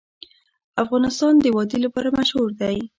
افغانستان د وادي لپاره مشهور دی.